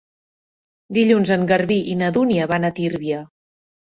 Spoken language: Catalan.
Dilluns en Garbí i na Dúnia van a Tírvia.